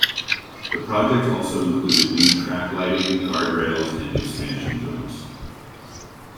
The project also included new track lighting, guardrails, and expansion joints.